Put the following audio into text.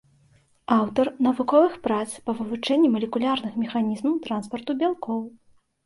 Аўтар навуковых прац па вывучэнні малекулярных механізмаў транспарту бялкоў.